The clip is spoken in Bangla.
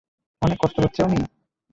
অনেক কষ্ট হচ্ছে ওমি?